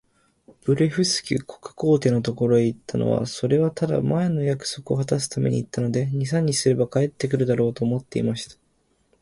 ブレフスキュ国皇帝のところへ行ったのは、それはただ、前の約束をはたすために行ったので、二三日すれば帰って来るだろう、と思っていました。